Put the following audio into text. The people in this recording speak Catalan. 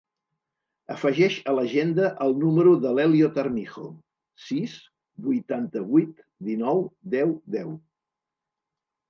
Afegeix a l'agenda el número de l'Elliot Armijo: sis, vuitanta-vuit, dinou, deu, deu.